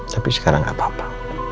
tapi sekarang nggak apa apa